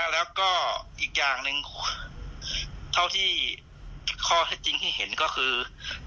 แล้วก็อีกอย่างหนึ่งข้อแรกที่จริงให้เห็นก็คือ